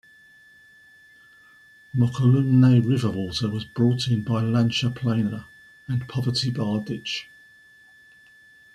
Mokelumne River water was brought in by Lancha Plana and Poverty Bar Ditch.